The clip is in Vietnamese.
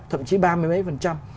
thậm chí ba mươi mấy phần trăm